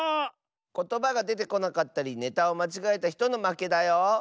ことばがでてこなかったりネタをまちがえたひとのまけだよ！